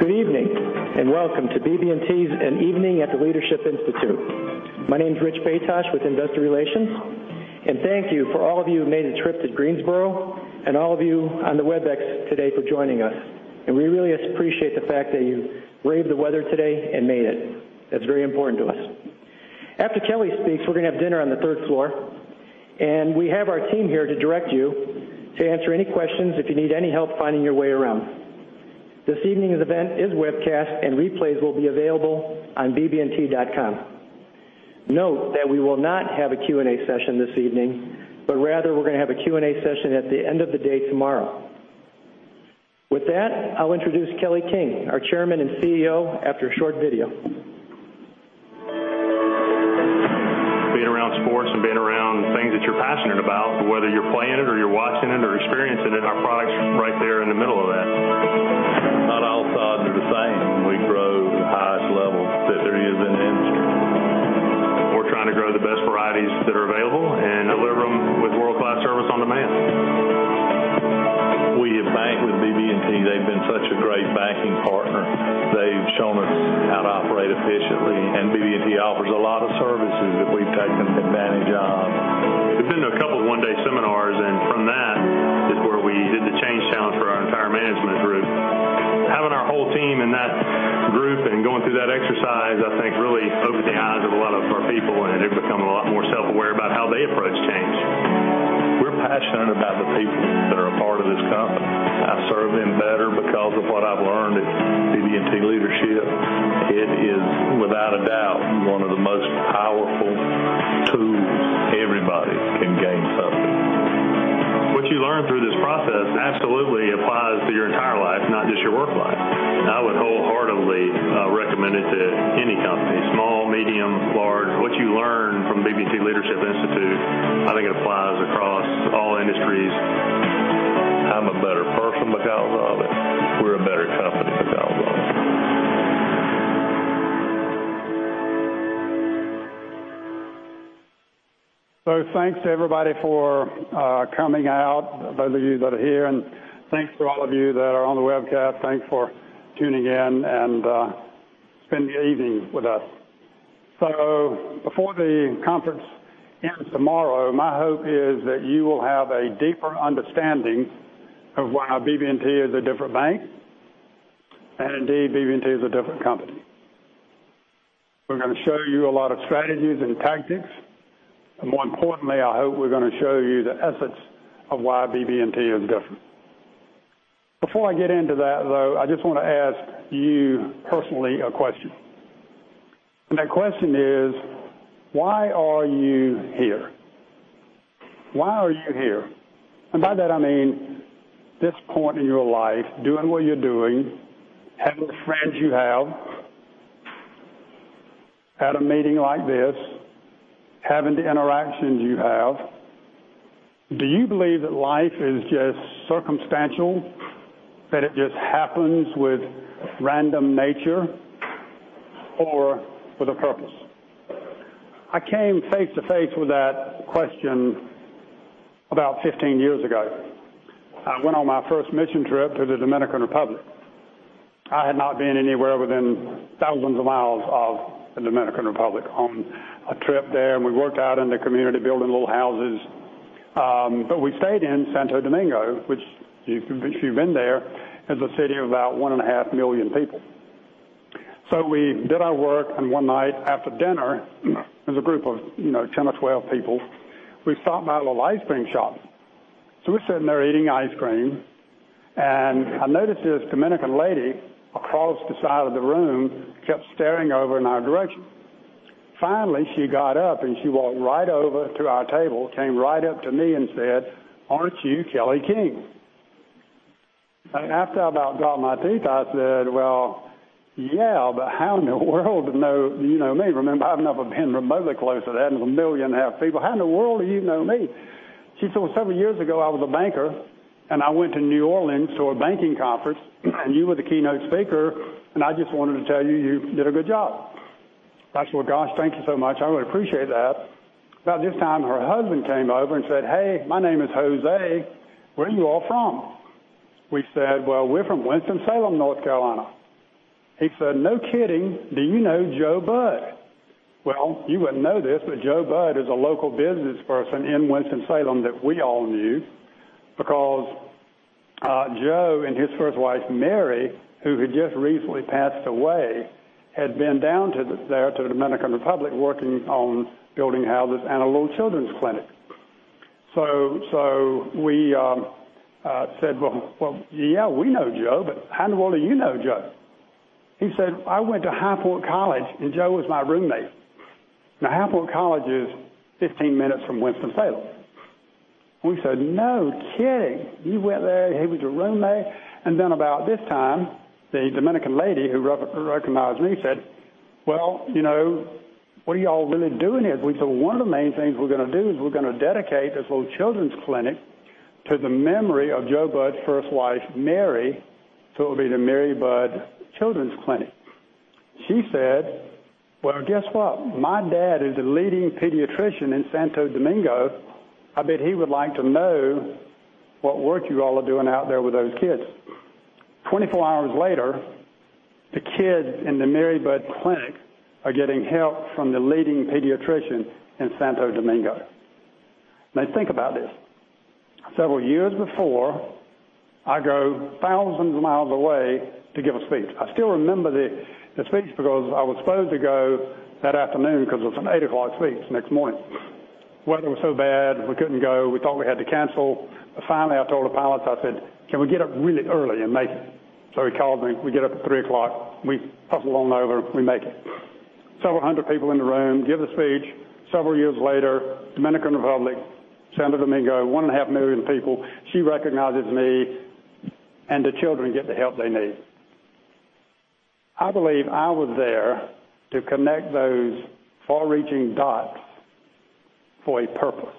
Good evening, welcome to BB&T's An Evening at the Leadership Institute. My name's Rich Baytosh with Industry Relations, and thank you for all of you who've made the trip to Greensboro and all of you on the Webex today for joining us. We really appreciate the fact that you braved the weather today and made it. That's very important to us. After Kelly speaks, we're going to have dinner on the third floor, and we have our team here to direct you, to answer any questions, if you need any help finding your way around. This evening's event is webcast, and replays will be available on bbt.com. Note that we will not have a Q&A session this evening, but rather, we're going to have a Q&A session at the end of the day tomorrow. With that, I'll introduce Kelly King, our Chairman and CEO, after a short video. Being around sports and being around things that you're passionate about, whether you're playing it or you're watching it or experiencing it, and our product's right there in the middle of that. Not all sod is the same. We grow the highest levels that there is in the industry. We're trying to grow the best varieties that are available and deliver them with world-class service on demand. We have banked with BB&T. They've been such a great banking partner. They've shown us how to operate efficiently, and BB&T offers a lot of services that we've taken advantage of. We've been to a couple one-day seminars and from that is where we did the change challenge for our entire management group. Having our whole team in that group and going through that exercise, I think, really opened the eyes of a lot of our people, and they're becoming a lot more self-aware about how they approach change. We're passionate about the people that are a part of this company. I serve them better because of what I've learned at BB&T Leadership. It is, without a doubt, one of the most powerful tools everybody can gain something. What you learn through this process absolutely applies to your entire life, not just your work life. I would wholeheartedly recommend it to any company, small, medium, large. What you learn from BB&T Leadership Institute, I think it applies across all industries. I'm a better person because of it. We're a better company because of it. Thanks to everybody for coming out, those of you that are here, and thanks to all of you that are on the webcast. Thanks for tuning in and spending the evening with us. Before the conference ends tomorrow, my hope is that you will have a deeper understanding of why BB&T is a different bank, and indeed, BB&T is a different company. We're going to show you a lot of strategies and tactics, and more importantly, I hope we're going to show you the essence of why BB&T is different. Before I get into that, though, I just want to ask you personally a question, and that question is: why are you here? Why are you here? By that, I mean this point in your life, doing what you're doing, having the friends you have, at a meeting like this, having the interactions you have, do you believe that life is just circumstantial, that it just happens with random nature or with a purpose? I came face to face with that question about 15 years ago. I went on my first mission trip to the Dominican Republic. I had not been anywhere within thousands of miles of the Dominican Republic on a trip there, and we worked out in the community building little houses. We stayed in Santo Domingo, which if you've been there, is a city of about 1.5 million people. We did our work, and one night after dinner, it was a group of 10 or 12 people, we stopped by a little ice cream shop. We're sitting there eating ice cream, and I noticed this Dominican lady across the side of the room kept staring over in our direction. Finally, she got up, and she walked right over to our table, came right up to me and said, "Aren't you Kelly King?" After I about dropped my teeth, I said, "Well, yeah, but how in the world do you know me?" Remember, I haven't been remotely close to that, and it was 1.5 million people. "How in the world do you know me?" She said, "Well, several years ago, I was a banker, and I went to New Orleans to a banking conference, and you were the keynote speaker, and I just wanted to tell you you did a good job." I said, "Well, gosh, thank you so much. I really appreciate that." About this time, her husband came over and said, "Hey, my name is José. Where are you all from?" We said, "Well, we're from Winston-Salem, North Carolina." He said, "No kidding. Do you know Joe Budd?" Well, you wouldn't know this, but Joe Budd is a local businessperson in Winston-Salem that we all knew because Joe and his first wife, Mary, who had just recently passed away, had been down there to the Dominican Republic working on building houses and a little children's clinic. We said, "Well, yeah, we know Joe, but how in the world do you know Joe?" He said, "I went to High Point College, and Joe was my roommate." High Point College is 15 minutes from Winston-Salem. We said, "No kidding. You went there. He was your roommate?" About this time, the Dominican lady who recognized me said, "Well, what are you all really doing here?" We said, "One of the main things we're going to do is we're going to dedicate this little children's clinic to the memory of Joe Budd's first wife, Mary. It'll be the Mary Budd Children's Clinic." She said, "Well, guess what? My dad is the leading pediatrician in Santo Domingo. I bet he would like to know what work you all are doing out there with those kids." 24 hours later, the kids in the Mary Budd clinic are getting help from the leading pediatrician in Santo Domingo. Think about this. Several years before, I go thousands of miles away to give a speech. I still remember the speech because I was supposed to go that afternoon because it's an 8:00 A.M. speech the next morning. Weather was so bad, we couldn't go. We thought we had to cancel, but finally I told the pilots, I said, "Can we get up really early and make it?" He called me. We get up at 3:00 A.M. We hustle on over. We make it. Several hundred people in the room, give the speech. Several years later, Dominican Republic, Santo Domingo, 1.5 million people. She recognizes me, and the children get the help they need. I believe I was there to connect those far-reaching dots for a purpose,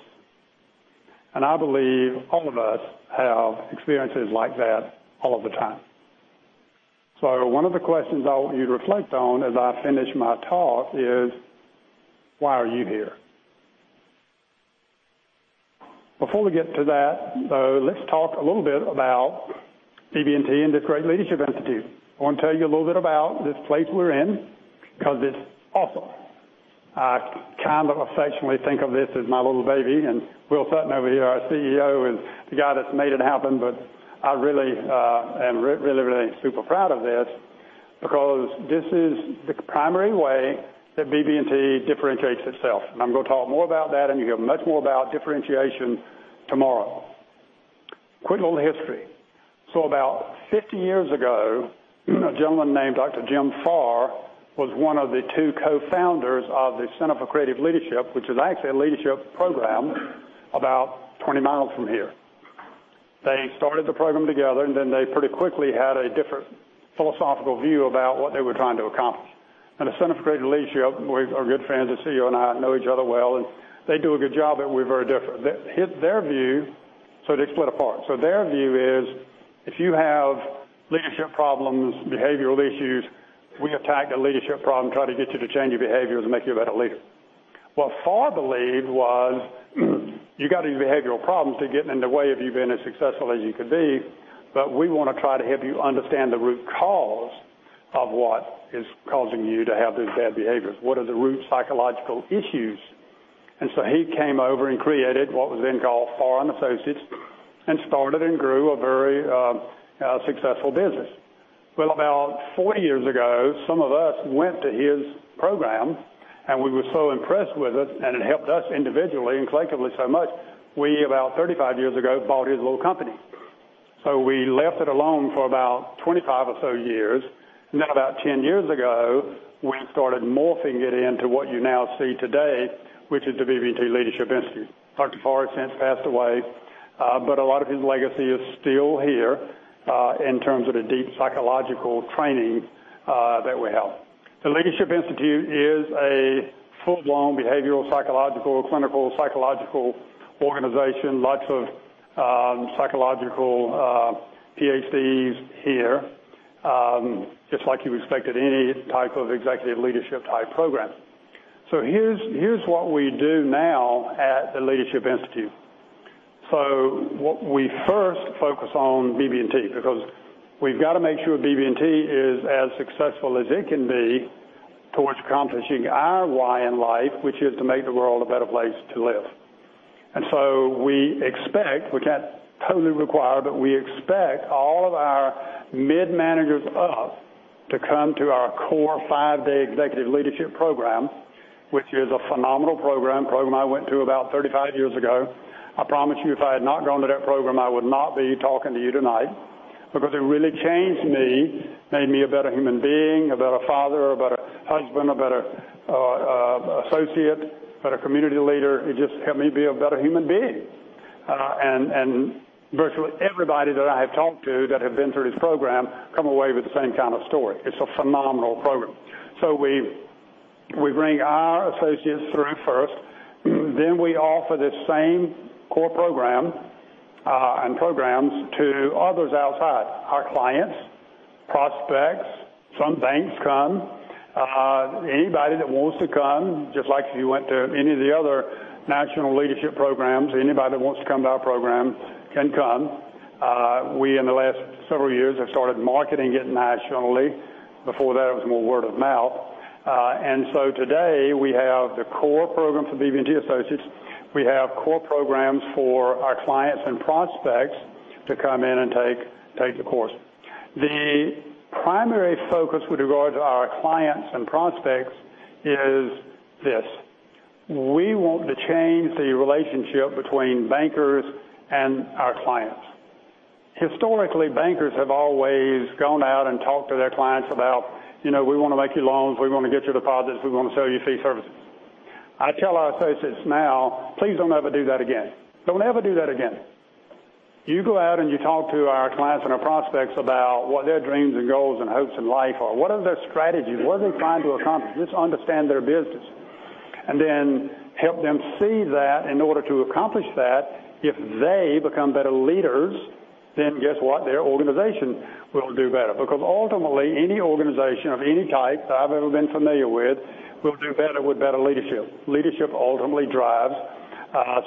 and I believe all of us have experiences like that all of the time. One of the questions I want you to reflect on as I finish my talk is, why are you here? Before we get to that, though, let's talk a little bit about BB&T and this great Leadership Institute. I want to tell you a little bit about this place we're in because it's awesome. I kind of affectionately think of this as my little baby and Will Sutton over here, our CEO, and the guy that's made it happen. I really am really, really super proud of this because this is the primary way that BB&T differentiates itself. I'm going to talk more about that, and you'll hear much more about differentiation tomorrow. Quick little history. About 50 years ago, a gentleman named Dr. Jim Farr was one of the two co-founders of the Center for Creative Leadership, which is actually a leadership program about 20 miles from here. They started the program together, and then they pretty quickly had a different philosophical view about what they were trying to accomplish. The Center for Creative Leadership, we are good friends. The CEO and I know each other well. They do a good job, but we're very different. Their view. They split apart. Their view is if you have leadership problems, behavioral issues, we attack the leadership problem, try to get you to change your behavior to make you a better leader. What Farr believed was, you got these behavioral problems. They're getting in the way of you being as successful as you could be, but we want to try to help you understand the root cause of what is causing you to have these bad behaviors. What are the root psychological issues? He came over and created what was then called Farr & Associates and started and grew a very successful business. About 40 years ago, some of us went to his program. We were so impressed with it, and it helped us individually and collectively so much, we, about 35 years ago, bought his little company. We left it alone for about 25 or so years. Then about 10 years ago, we started morphing it into what you now see today, which is the BB&T Leadership Institute. Dr. Farr has since passed away, but a lot of his legacy is still here, in terms of the deep psychological training that we have. The Leadership Institute is a full-blown behavioral, psychological, clinical, psychological organization. Lots of psychological PhDs here, just like you expect at any type of executive leadership-type program. Here's what we do now at the Leadership Institute. What we first focus on BB&T, because we've got to make sure BB&T is as successful as it can be towards accomplishing our why in life, which is to make the world a better place to live. We expect, we can't totally require, but we expect all of our mid managers up to come to our core five-day executive leadership program, which is a phenomenal program. Program I went to about 35 years ago. I promise you, if I had not gone to that program, I would not be talking to you tonight because it really changed me, made me a better human being, a better father, a better husband, a better associate, better community leader. It just helped me be a better human being. Virtually everybody that I have talked to that have been through this program come away with the same kind of story. It's a phenomenal program. We bring our associates through first. We offer the same core program, and programs to others outside, our clients, prospects. Some banks come. Anybody that wants to come, just like if you went to any of the other national leadership programs, anybody that wants to come to our program can come. We, in the last several years, have started marketing it nationally. Before that, it was more word of mouth. Today, we have the core program for BB&T associates. We have core programs for our clients and prospects to come in and take the course. The primary focus with regard to our clients and prospects is this: We want to change the relationship between bankers and our clients. Historically, bankers have always gone out and talked to their clients about, "We want to make you loans. We want to get your deposits. We want to sell you fee services." I tell our associates now, please don't ever do that again. Don't ever do that again. You go out and you talk to our clients and our prospects about what their dreams and goals and hopes in life are. What are their strategies? What are they trying to accomplish? Just understand their business. Then help them see that in order to accomplish that, if they become better leaders, then guess what? Their organization will do better. Because ultimately, any organization of any type that I've ever been familiar with will do better with better leadership. Leadership ultimately drives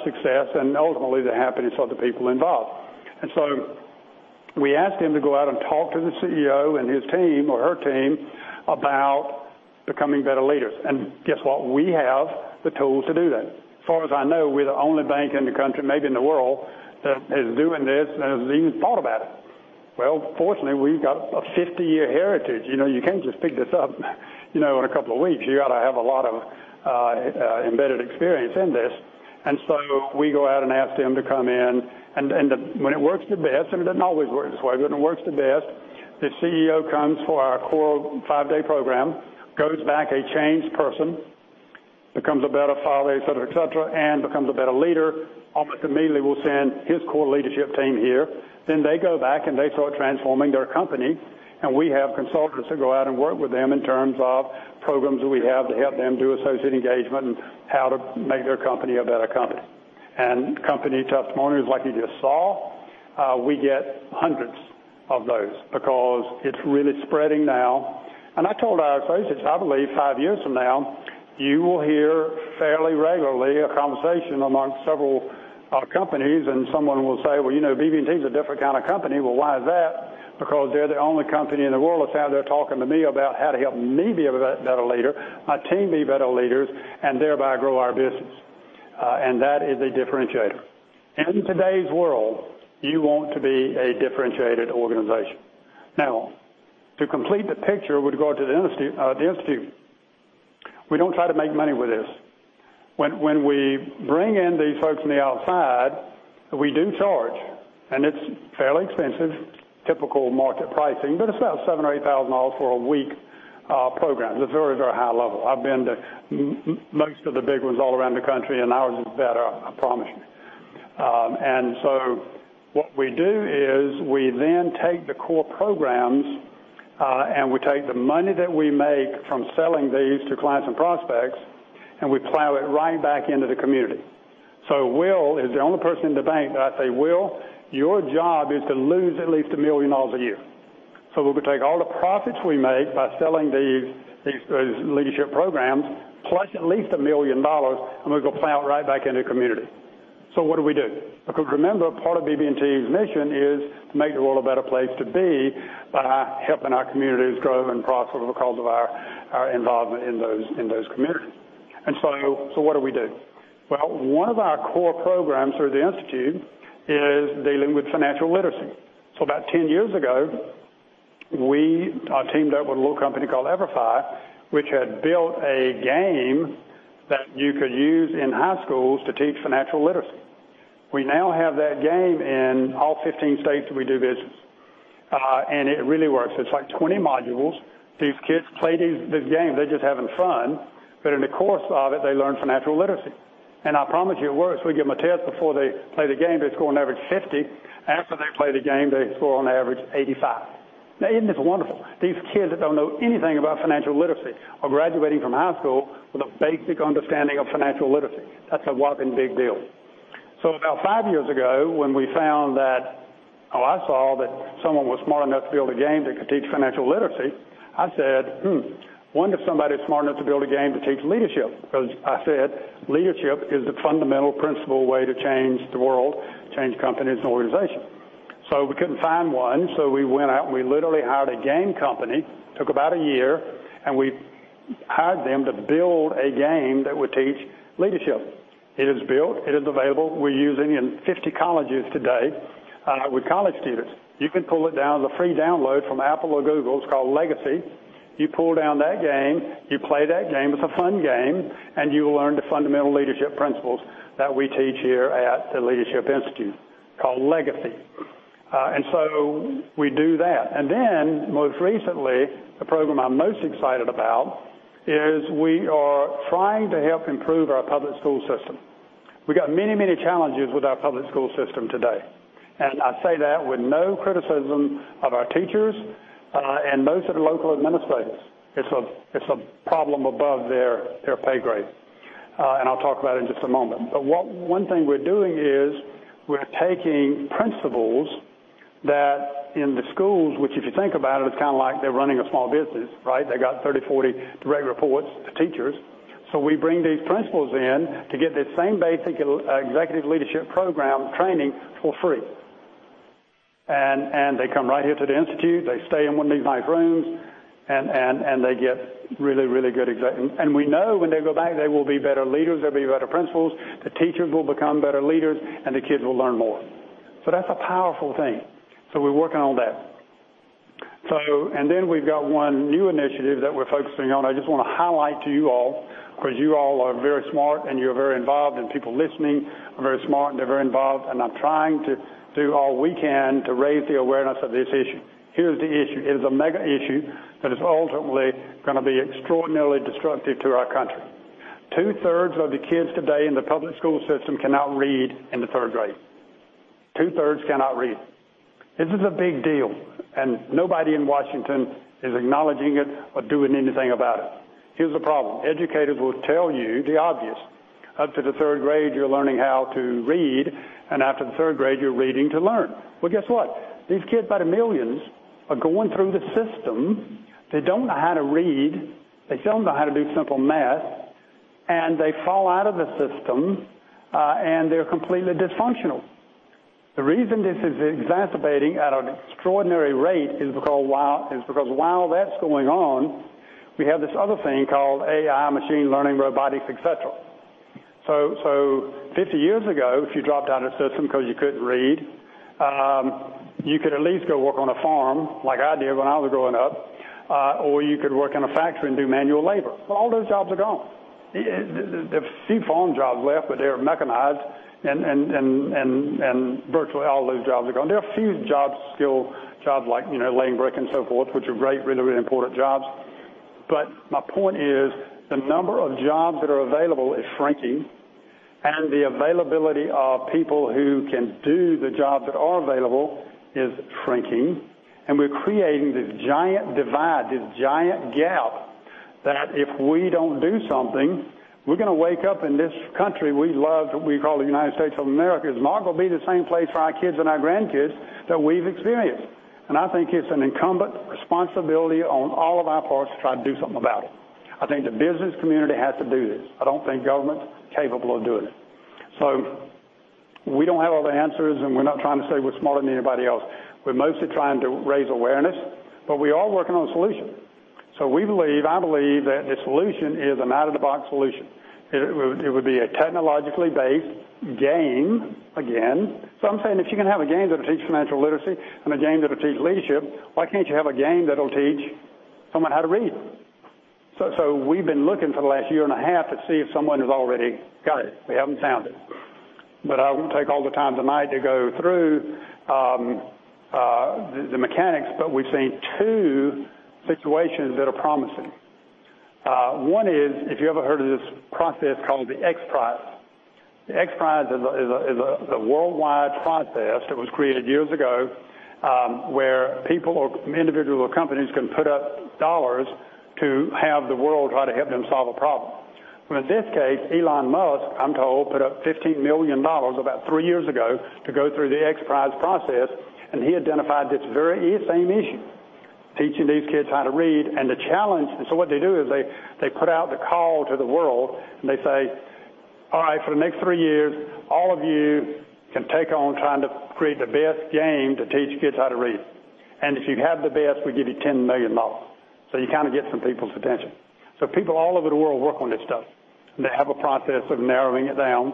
success, and ultimately the happiness of the people involved. We asked him to go out and talk to the CEO and his team or her team about becoming better leaders. Guess what? We have the tools to do that. As far as I know, we're the only bank in the country, maybe in the world, that is doing this, that has even thought about it. Well, fortunately, we've got a 50-year heritage. You can't just pick this up in a couple of weeks. You got to have a lot of embedded experience in this. We go out and ask them to come in and when it works the best, and it doesn't always work this way, but when it works the best, the CEO comes for our core five-day program, goes back a changed person, becomes a better father, et cetera, et cetera, and becomes a better leader, almost immediately will send his core leadership team here. They go back, and they start transforming their company. We have consultants that go out and work with them in terms of programs that we have to help them do associate engagement and how to make their company a better company. Company testimonials like you just saw, we get hundreds of those because it's really spreading now. I told our associates, I believe five years from now, you will hear fairly regularly a conversation amongst several companies, and someone will say, "Well, BB&T's a different kind of company." Well, why is that? Because they're the only company in the world that's out there talking to me about how to help me be a better leader, my team be better leaders, and thereby grow our business. That is a differentiator. In today's world, you want to be a differentiated organization. Now, to complete the picture with regard to the Institute, we don't try to make money with this. When we bring in these folks from the outside, we do charge, and it's fairly expensive, typical market pricing, but it's about $7,000 or $8,000 for a week program. It's very, very high level. I've been to most of the big ones all around the country, and ours is better, I promise you. What we do is we then take the core programs, we take the money that we make from selling these to clients and prospects, we plow it right back into the community. Will is the only person in the bank that I say, "Will, your job is to lose at least $1 million a year." We take all the profits we make by selling these leadership programs, plus at least $1 million, and we're going to plow it right back into the community. What do we do? Because remember, part of BB&T's mission is to make the world a better place to be by helping our communities grow and prosper because of our involvement in those communities. Well, what do we do? One of our core programs through the Institute is dealing with financial literacy. About 10 years ago, we teamed up with a little company called EVERFI, which had built a game that you could use in high schools to teach financial literacy. We now have that game in all 15 states that we do business. It really works. It's like 20 modules. These kids play these games. They're just having fun, but in the course of it, they learn financial literacy. I promise you it works. We give them a test before they play the game. They score on average 50. After they play the game, they score on average 85. Isn't this wonderful? These kids that don't know anything about financial literacy are graduating from high school with a basic understanding of financial literacy. That's a whopping big deal. About five years ago, when we found that, or I saw that someone was smart enough to build a game that could teach financial literacy, I said, "Hmm, I wonder if somebody's smart enough to build a game to teach leadership." I said, "Leadership is the fundamental principle way to change the world, change companies, and organizations." We couldn't find one, we went out, we literally hired a game company, took about a year, we hired them to build a game that would teach leadership. It is built. It is available. We're using it in 50 colleges today, with college students. You can pull it down as a free download from Apple or Google. It's called Legacy. You pull down that game, you play that game. It's a fun game, and you will learn the fundamental leadership principles that we teach here at the Leadership Institute, called Legacy. We do that. Most recently, the program I'm most excited about is we are trying to help improve our public school system. We got many challenges with our public school system today. I say that with no criticism of our teachers, and most of the local administrators. It's a problem above their pay grade. I'll talk about it in just a moment. One thing we're doing is we're taking principals that in the schools, which if you think about it's kind of like they're running a small business, right? They got 30, 40 direct reports to teachers. We bring these principals in to get this same basic executive leadership program training for free. They come right here to the Institute. They stay in one of these nice rooms, and they get really good exec. We know when they go back, they will be better leaders, they'll be better principals, the teachers will become better leaders, and the kids will learn more. That's a powerful thing. We're working on that. We've got one new initiative that we're focusing on. I just want to highlight to you all because you all are very smart and you're very involved, people listening are very smart and they're very involved, I'm trying to do all we can to raise the awareness of this issue. Here's the issue. It is a mega issue that is ultimately going to be extraordinarily destructive to our country. Two-thirds of the kids today in the public school system cannot read in the third grade. Two-thirds cannot read. This is a big deal. Nobody in Washington is acknowledging it or doing anything about it. Here's the problem. Educators will tell you the obvious. Up to the third grade, you're learning how to read. After the third grade, you're reading to learn. Well, guess what? These kids by the millions are going through the system. They don't know how to read. They don't know how to do simple math. They fall out of the system, and they're completely dysfunctional. The reason this is exacerbating at an extraordinary rate is because while that's going on, we have this other thing called AI, machine learning, robotics, et cetera. 50 years ago, if you dropped out of the system because you couldn't read, you could at least go work on a farm like I did when I was growing up. You could work in a factory and do manual labor. Well, all those jobs are gone. There's a few farm jobs left, but they're mechanized. Virtually all of those jobs are gone. There are a few jobs still, jobs like laying brick and so forth, which are great, really important jobs. My point is the number of jobs that are available is shrinking. The availability of people who can do the jobs that are available is shrinking. We're creating this giant divide, this giant gap, that if we don't do something, we're going to wake up in this country we love, we call the United States of America, is not going to be the same place for our kids and our grandkids that we've experienced. I think it's an incumbent responsibility on all of our parts to try to do something about it. I think the business community has to do this. I don't think government's capable of doing it. We don't have all the answers. We're not trying to say we're smarter than anybody else. We're mostly trying to raise awareness, but we are working on a solution. We believe, I believe, that the solution is an out-of-the-box solution. It would be a technologically based game, again. I'm saying if you can have a game that'll teach financial literacy and a game that'll teach leadership, why can't you have a game that'll teach someone how to read? We've been looking for the last year and a half to see if someone has already got it. We haven't found it. I won't take all the time tonight to go through the mechanics, but we've seen two situations that are promising. One is, if you ever heard of this process called the XPRIZE. The XPRIZE is a worldwide contest that was created years ago, where people or individual companies can put up dollars to have the world try to help them solve a problem. In this case, Elon Musk, I'm told, put up $15 million about three years ago to go through the XPRIZE process, and he identified this very same issue, teaching these kids how to read and the challenge. What they do is they put out the call to the world, and they say, "All right, for the next three years, all of you can take on trying to create the best game to teach kids how to read. If you have the best, we give you $10 million." You get some people's attention. People all over the world work on this stuff. They have a process of narrowing it down.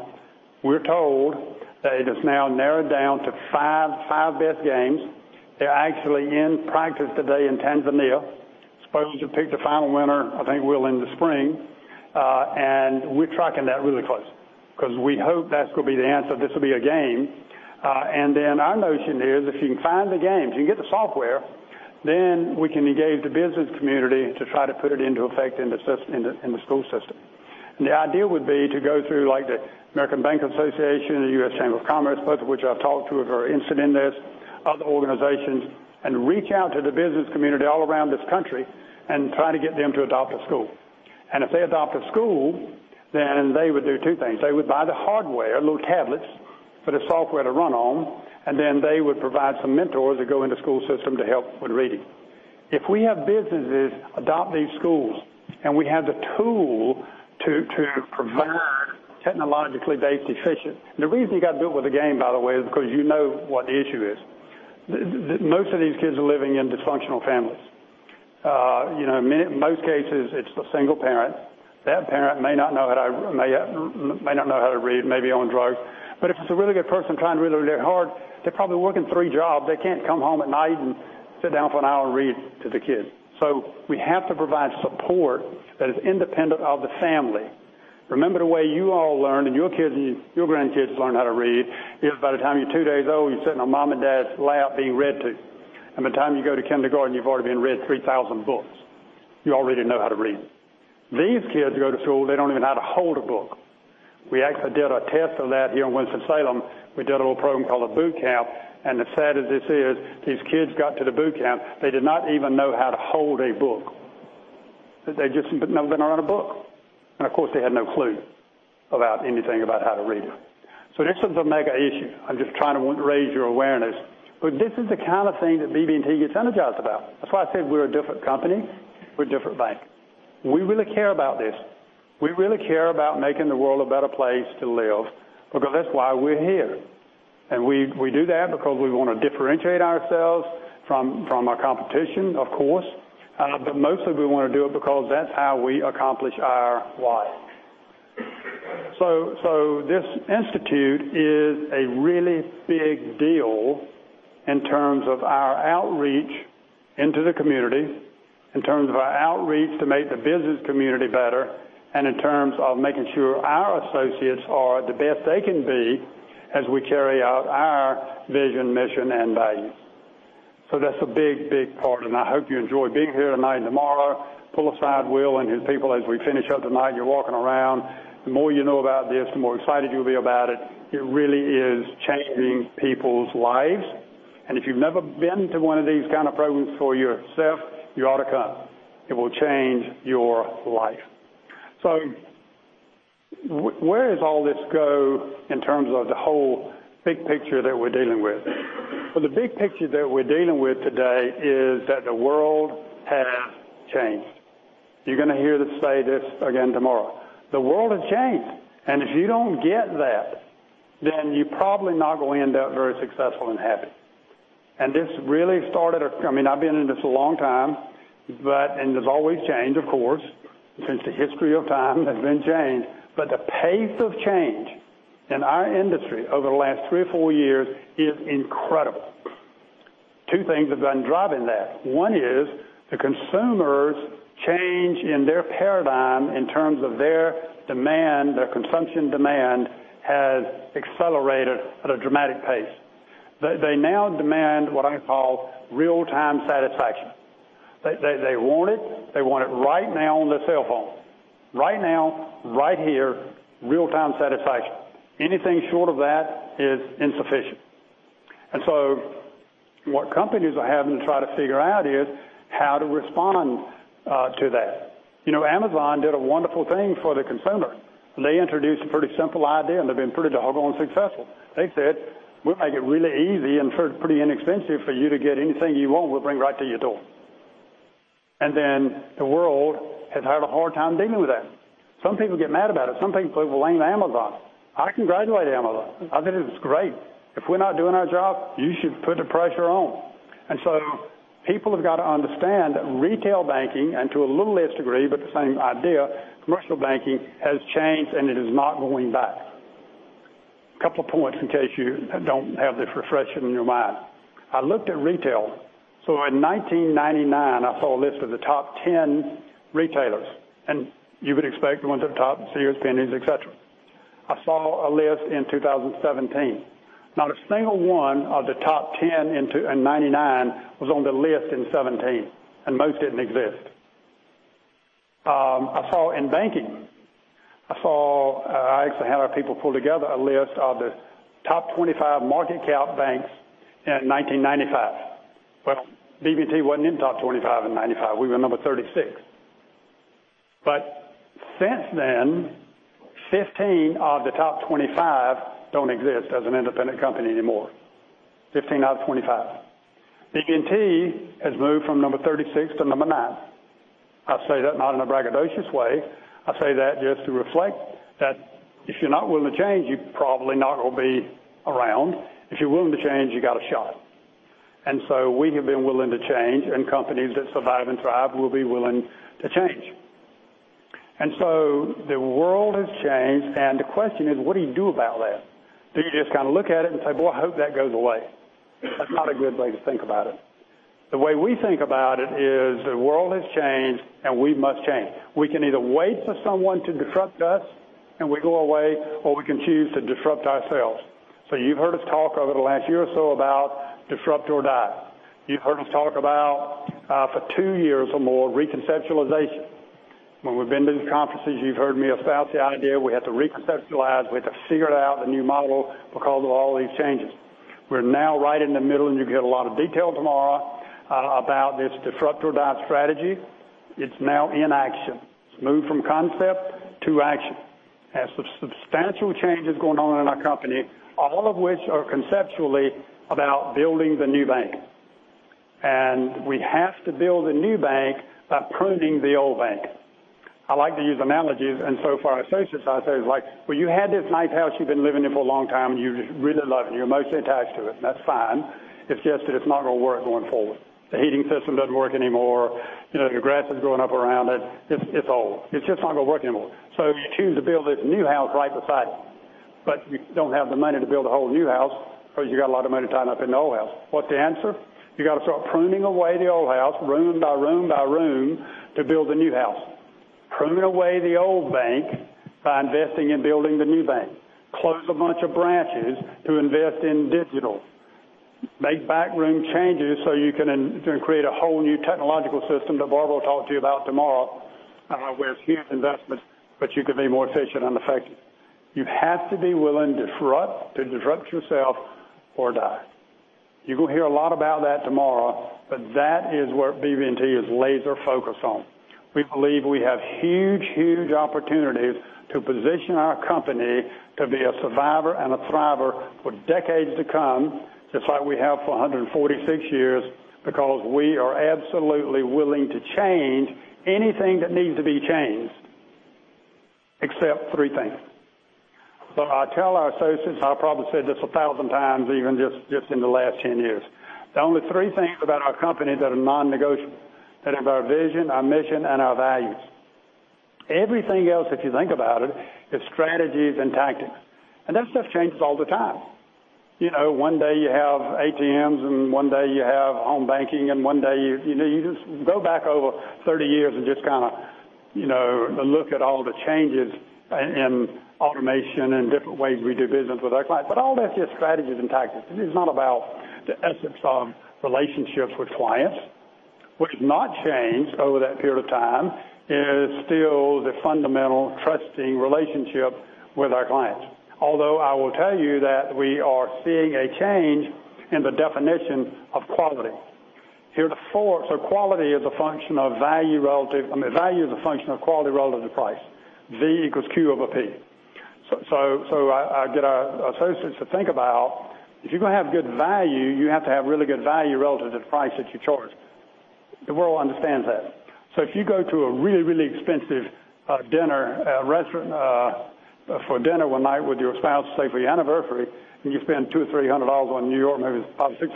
We're told that it is now narrowed down to five best games. They're actually in practice today in Tanzania. Supposed to pick the final winner, I think, in the spring. We're tracking that really closely because we hope that's going to be the answer. This will be a game. Our notion is if you can find the game, if you can get the software, then we can engage the business community to try to put it into effect in the school system. The idea would be to go through the American Bankers Association, the U.S. Chamber of Commerce, both of which I've talked to, are very interested in this, other organizations, and reach out to the business community all around this country and try to get them to adopt a school. If they adopt a school, then they would do two things. They would buy the hardware, little tablets for the software to run on, and then they would provide some mentors that go into school system to help with reading. If we have businesses adopt these schools and we have the tool to provide technologically based efficient. The reason you got to do it with a game, by the way, is because you know what the issue is. Most of these kids are living in dysfunctional families. Most cases, it's the single parent. That parent may not know how to read, may be on drugs. If it's a really good person trying really hard, they're probably working three jobs. They can't come home at night and sit down for an hour and read to the kids. We have to provide support that is independent of the family. Remember the way you all learned, and your kids and your grandkids learned how to read, is by the time you're two days old, you're sitting on mom and dad's lap being read to. By the time you go to kindergarten, you've already been read 3,000 books. You already know how to read. These kids go to school, they don't even know how to hold a book. We actually did a test of that here in Winston-Salem. We did a little program called a boot camp, and as sad as this is, these kids got to the boot camp, they did not even know how to hold a book. They just had never been around a book. Of course, they had no clue about anything about how to read. This is a mega issue. I'm just trying to raise your awareness. This is the kind of thing that BB&T gets energized about. That's why I said we're a different company. We're a different bank. We really care about this. We really care about making the world a better place to live because that's why we're here. We do that because we want to differentiate ourselves from our competition, of course. Mostly we want to do it because that's how we accomplish our why. This institute is a really big deal in terms of our outreach into the community, in terms of our outreach to make the business community better, and in terms of making sure our associates are the best they can be as we carry out our vision, mission, and values. That's a big part, and I hope you enjoy being here tonight and tomorrow. Pull aside Will and his people as we finish up tonight and you're walking around. The more you know about this, the more excited you'll be about it. It really is changing people's lives. If you've never been to one of these kind of programs for yourself, you ought to come. It will change your life. Where does all this go in terms of the whole big picture that we're dealing with? Well, the big picture that we're dealing with today is that the world has changed. You're going to hear this say this again tomorrow. The world has changed, and if you don't get that, then you're probably not going to end up very successful and happy. This really started. I've been in this a long time, and there's always change, of course. Since the history of time, there's been change. The pace of change in our industry over the last three or four years is incredible. Two things have been driving that. One is the consumers' change in their paradigm in terms of their demand, their consumption demand has accelerated at a dramatic pace. They now demand what I call real-time satisfaction. They want it, they want it right now on their cell phone. Right now, right here, real-time satisfaction. Anything short of that is insufficient. What companies are having to try to figure out is how to respond to that. Amazon did a wonderful thing for the consumer. They introduced a pretty simple idea, and they've been pretty doggone successful. They said, "We'll make it really easy and pretty inexpensive for you to get anything you want. We'll bring right to your door." The world has had a hard time dealing with that. Some people get mad about it. Some people blame Amazon. I congratulate Amazon. I think it's great. If we're not doing our job, you should put the pressure on. People have got to understand that retail banking, and to a little less degree, but the same idea, commercial banking has changed, and it is not going back. Couple of points in case you don't have this refreshing in your mind. I looked at retail. In 1999, I saw a list of the top 10 retailers, and you would expect the ones at the top, Sears, Penney's, et cetera. I saw a list in 2017. Not a single one of the top 10 in '99 was on the list in '17, and most didn't exist. I saw in banking, I actually had our people pull together a list of the top 25 market cap banks in 1995. BB&T wasn't in the top 25 in '95. We were number 36. Since then, 15 of the top 25 don't exist as an independent company anymore. 15 out of 25. BB&T has moved from number 36 to number 9. I say that not in a braggadocious way. I say that just to reflect that if you're not willing to change, you're probably not going to be around. If you're willing to change, you got a shot. We have been willing to change, and companies that survive and thrive will be willing to change. The world has changed, and the question is, what do you do about that? Do you just kind of look at it and say, "Boy, I hope that goes away." That's not a good way to think about it. The way we think about it is the world has changed, and we must change. We can either wait for someone to disrupt us, and we go away, or we can choose to disrupt ourselves. You've heard us talk over the last year or so about disrupt or die. You've heard us talk about, for two years or more, reconceptualization. When we've been to these conferences, you've heard me espouse the idea we have to reconceptualize. We have to figure out a new model because of all these changes. We're now right in the middle, and you'll get a lot of detail tomorrow about this disrupt or die strategy. It's now in action. It's moved from concept to action. We have substantial changes going on in our company, all of which are conceptually about building the new bank. We have to build a new bank by pruning the old bank. I like to use analogies, for our associates, I say, "You had this nice house you've been living in for a long time, and you really love it, and you're emotionally attached to it." That's fine. It's just that it's not going to work going forward. The heating system doesn't work anymore. Your grass is growing up around it. It's old. It's just not going to work anymore. You choose to build this new house right beside it, but you don't have the money to build a whole new house because you got a lot of money tied up in the old house. What's the answer? You got to start pruning away the old house, room by room by room, to build a new house. Prune away the old bank by investing in building the new bank. Close a bunch of branches to invest in digital. Make back room changes so you can create a whole new technological system that Barbara will talk to you about tomorrow, where it's huge investments, but you can be more efficient and effective. You have to be willing to disrupt yourself or die. You're going to hear a lot about that tomorrow, but that is where BB&T is laser focused on. We believe we have huge opportunities to position our company to be a survivor and a thriver for decades to come, just like we have for 146 years, because we are absolutely willing to change anything that needs to be changed, except three things. I tell our associates, I probably said this 1,000 times even just in the last 10 years. The only three things about our company that are non-negotiable, that is our vision, our mission, and our values. Everything else, if you think about it, is strategies and tactics, that stuff changes all the time. One day you have ATMs, one day you have home banking, one day you just go back over 30 years and just kind of to look at all the changes in automation and different ways we do business with our clients. All that's just strategies and tactics. It is not about the essence of relationships with clients. What has not changed over that period of time is still the fundamental trusting relationship with our clients. Although, I will tell you that we are seeing a change in the definition of quality. Quality is a function of value relative I mean, value is a function of quality relative to price. V equals Q over P. I get our associates to think about, if you're going to have good value, you have to have really good value relative to the price that you charge. The world understands that. If you go to a really, really expensive restaurant for dinner one night with your spouse, say, for your anniversary, and you spend $200 or $300. In New York, maybe it's probably $600.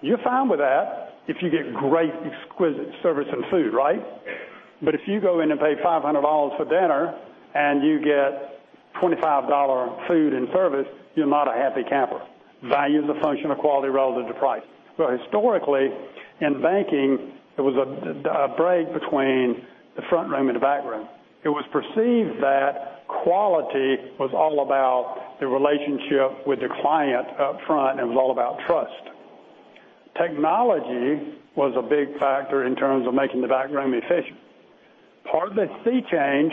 You're fine with that if you get great, exquisite service and food, right? If you go in and pay $500 for dinner and you get $25 food and service, you're not a happy camper. Value is a function of quality relative to price. Historically, in banking, there was a break between the front room and the back room. It was perceived that quality was all about the relationship with the client up front, and it was all about trust. Technology was a big factor in terms of making the back room efficient. Part of the sea change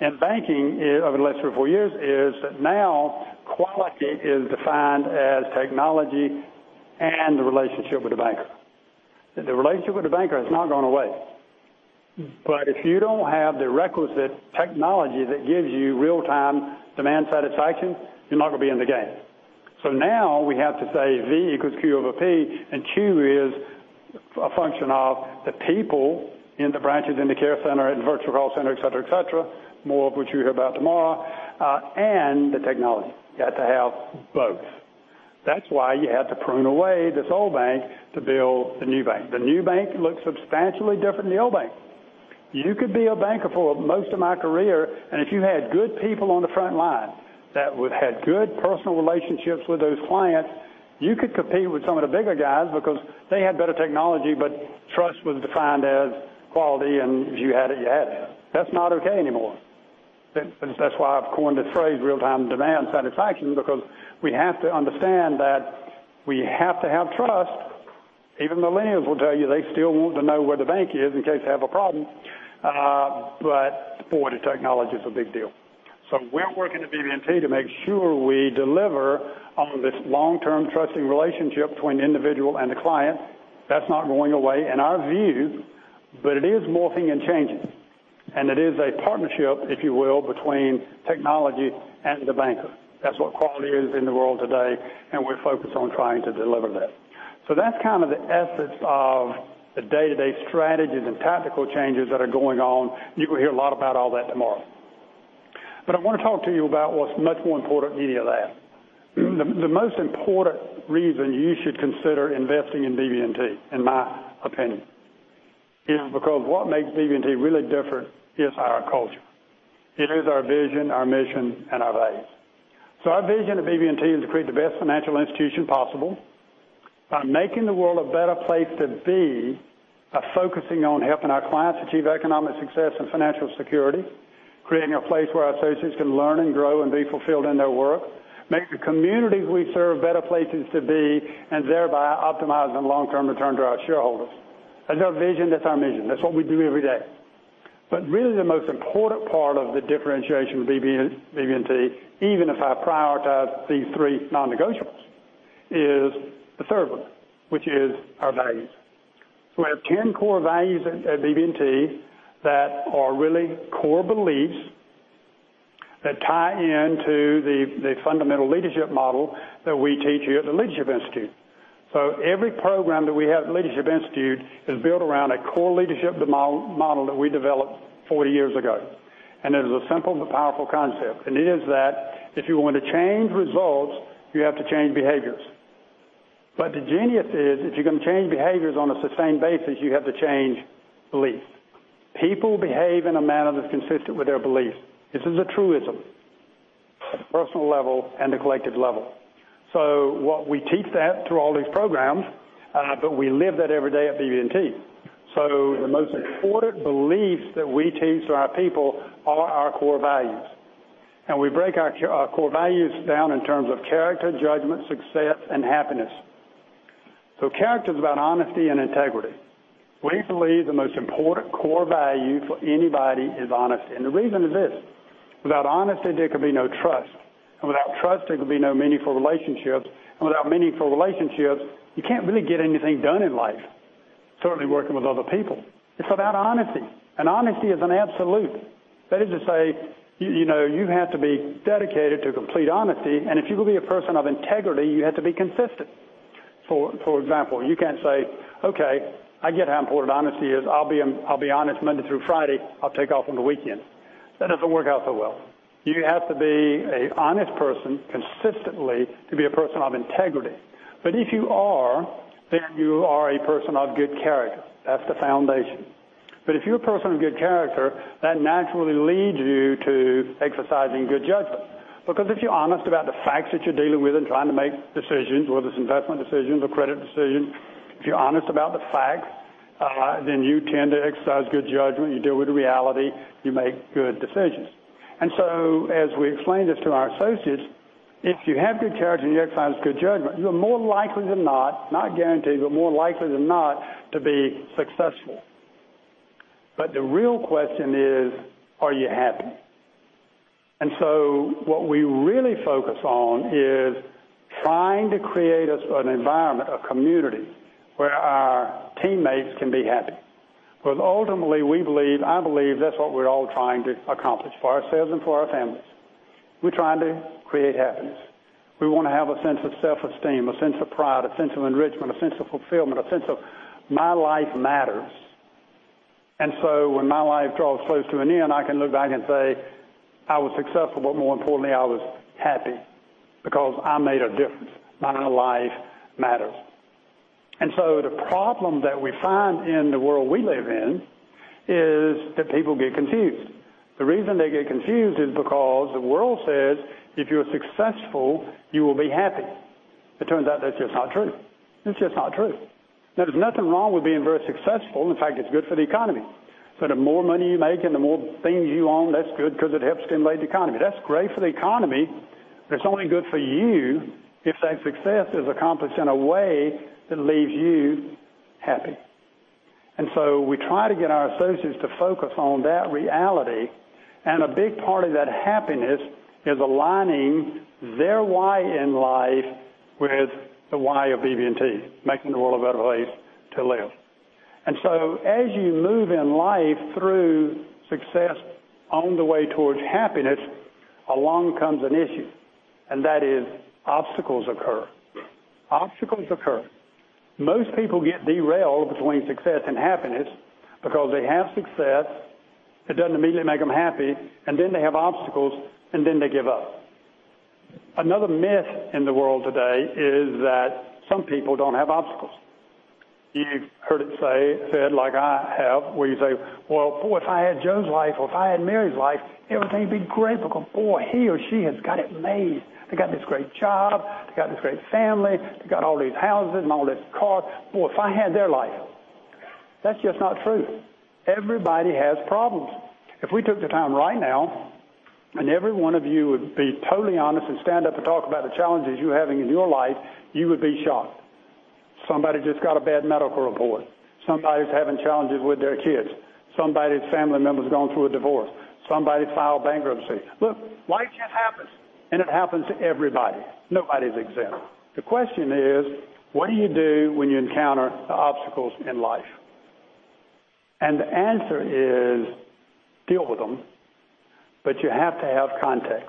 in banking over the last three or four years is that now quality is defined as technology and the relationship with the banker. The relationship with the banker has not gone away. If you don't have the requisite technology that gives you real-time demand satisfaction, you're not going to be in the game. Now we have to say V equals Q over P, and Q is a function of the people in the branches, in the care center, in virtual call center, et cetera. More of which you'll hear about tomorrow, and the technology. You have to have both. That's why you had to prune away this old bank to build the new bank. The new bank looks substantially different than the old bank. You could be a banker for most of my career, if you had good people on the front line that would have good personal relationships with those clients, you could compete with some of the bigger guys because they had better technology, trust was defined as quality, and if you had it, you had it. That's not okay anymore. That's why I've coined the phrase real-time demand satisfaction because we have to understand that we have to have trust. Even millennials will tell you they still want to know where the bank is in case they have a problem. Boy, the technology is a big deal. We're working at BB&T to make sure we deliver on this long-term trusting relationship between the individual and the client. That's not going away, in our view, it is morphing and changing, it is a partnership, if you will, between technology and the banker. That's what quality is in the world today, we're focused on trying to deliver that. That's kind of the essence of the day-to-day strategies and tactical changes that are going on. You will hear a lot about all that tomorrow. I want to talk to you about what's much more important than any of that. The most important reason you should consider investing in BB&T, in my opinion, is because what makes BB&T really different is our culture. It is our vision, our mission, and our values. Our vision at BB&T is to create the best financial institution possible by making the world a better place to be by focusing on helping our clients achieve economic success and financial security, creating a place where our associates can learn and grow and be fulfilled in their work, make the communities we serve better places to be, thereby optimizing long-term return to our shareholders. That's our vision, that's our mission. That's what we do every day. Really, the most important part of the differentiation of BB&T, even if I prioritize these three non-negotiables, is the third one, which is our values. We have 10 core values at BB&T that are really core beliefs that tie into the fundamental leadership model that we teach here at the Leadership Institute. Every program that we have at the Leadership Institute is built around a core leadership model that we developed 40 years ago, it is a simple but powerful concept, it is that if you want to change results, you have to change behaviors. The genius is, if you're going to change behaviors on a sustained basis, you have to change beliefs. People behave in a manner that's consistent with their beliefs. This is a truism, at a personal level and a collective level. We teach that through all these programs, we live that every day at BB&T. The most important beliefs that we teach to our people are our core values, we break our core values down in terms of character, judgment, success, and happiness. Character is about honesty and integrity. We believe the most important core value for anybody is honesty. The reason is this: without honesty, there can be no trust. Without trust, there can be no meaningful relationships. Without meaningful relationships, you can't really get anything done in life, certainly working with other people. It's about honesty. Honesty is an absolute. That is to say, you have to be dedicated to complete honesty. If you're going to be a person of integrity, you have to be consistent. For example, you can't say, "Okay, I get how important honesty is. I'll be honest Monday through Friday. I'll take off on the weekends." That doesn't work out so well. You have to be an honest person consistently to be a person of integrity. If you are, then you are a person of good character. That's the foundation. If you're a person of good character, that naturally leads you to exercising good judgment. Because if you're honest about the facts that you're dealing with and trying to make decisions, whether it's investment decisions or credit decisions. If you're honest about the facts, then you tend to exercise good judgment. You deal with reality, you make good decisions. As we explained this to our associates, if you have good character and you exercise good judgment, you're more likely than not guaranteed, but more likely than not, to be successful. The real question is, are you happy? What we really focus on is trying to create an environment, a community where our teammates can be happy. Ultimately, we believe, I believe that's what we're all trying to accomplish for ourselves and for our families. We're trying to create happiness. We want to have a sense of self-esteem, a sense of pride, a sense of enrichment, a sense of fulfillment, a sense of my life matters. When my life draws close to an end, I can look back and say, "I was successful, but more importantly, I was happy because I made a difference. My life matters." The problem that we find in the world we live in is that people get confused. The reason they get confused is because the world says, "If you're successful, you will be happy." It turns out that's just not true. It's just not true. Now, there's nothing wrong with being very successful. In fact, it's good for the economy. The more money you make and the more things you own, that's good because it helps stimulate the economy. That's great for the economy, but it's only good for you if that success is accomplished in a way that leaves you happy. We try to get our associates to focus on that reality. A big part of that happiness is aligning their why in life with the why of BB&T, making the world a better place to live. As you move in life through success on the way towards happiness, along comes an issue, and that is obstacles occur. Most people get derailed between success and happiness because they have success, it doesn't immediately make them happy, and then they have obstacles, and then they give up. Another myth in the world today is that some people don't have obstacles. You've heard it said like I have, where you say, "Well, boy, if I had Joe's life or if I had Mary's life, everything would be great because boy, he or she has got it made. They got this great job, they got this great family, they got all these houses and all these cars. Boy, if I had their life." That's just not true. Everybody has problems. If we took the time right now and every one of you would be totally honest and stand up and talk about the challenges you're having in your life, you would be shocked. Somebody just got a bad medical report. Somebody's having challenges with their kids. Somebody's family member's going through a divorce. Somebody filed bankruptcy. Look, life just happens, and it happens to everybody. Nobody's exempt. The question is, what do you do when you encounter the obstacles in life? The answer is deal with them, but you have to have context.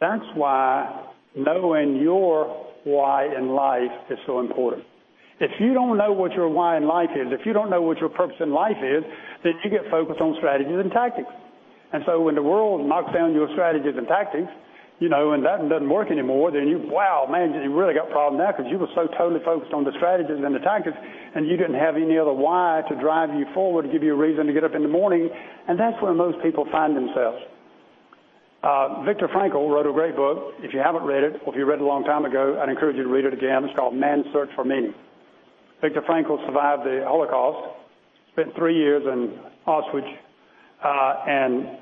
That's why knowing your why in life is so important. If you don't know what your why in life is, if you don't know what your purpose in life is, then you get focused on strategies and tactics. When the world knocks down your strategies and tactics, and that doesn't work anymore, then you, wow, man, you really got problems now because you were so totally focused on the strategies and the tactics, and you didn't have any other why to drive you forward to give you a reason to get up in the morning. That's where most people find themselves. Viktor Frankl wrote a great book. If you haven't read it or if you read it a long time ago, I'd encourage you to read it again. It's called "Man's Search for Meaning." Viktor Frankl survived the Holocaust, spent three years in Auschwitz, and